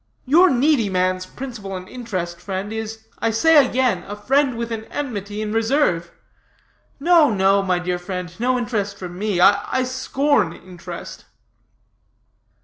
Your needy man's principle and interest friend is, I say again, a friend with an enmity in reserve. No, no, my dear friend, no interest for me. I scorn interest."